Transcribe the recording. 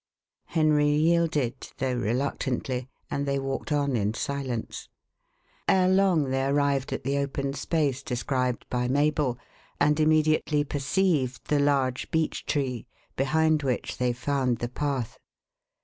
Henry yielded, though reluctantly, and they walked on in silence. Ere long they arrived at the open space described by Mabel, and immediately perceived the large beech tree, behind which they found the path.